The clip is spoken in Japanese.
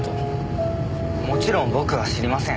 もちろん僕は知りません。